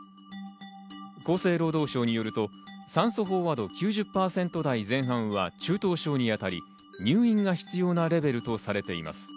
厚生労働省によると、酸素飽和度９０％台前半は中等症に当たり入院が必要なレベルとされています。